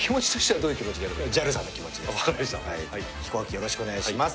よろしくお願いします。